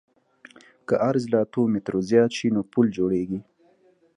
که عرض له اتو مترو زیات شي نو پل جوړیږي